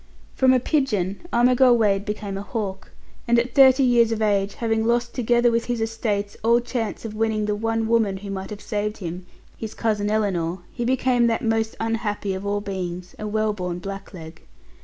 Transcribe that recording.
From a pigeon Armigell Wade became a hawk, and at thirty years of age, having lost together with his estates all chance of winning the one woman who might have saved him his cousin Ellinor he became that most unhappy of all beings, a well born blackleg.